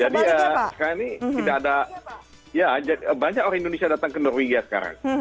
jadi ya sekarang ini tidak ada ya banyak orang indonesia datang ke norwegia sekarang